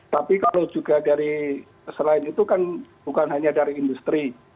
tapi kalau juga dari selain itu kan bukan hanya dari industri